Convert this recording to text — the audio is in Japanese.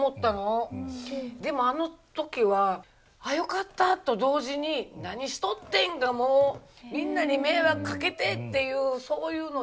でもあの時は「ああよかった」と同時に「何しとってん！」がもう「みんなに迷惑かけて！」っていうそういうので。